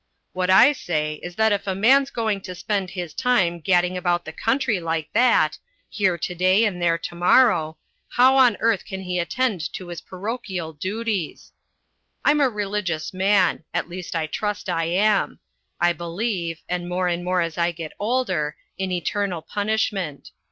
What I say is that if a man's going to spend his time gadding about the country like that here to day and there to morrow how on earth can he attend to his parochial duties? I'm a religious man. At least I trust I am. I believe and more and more as I get older in eternal punishment.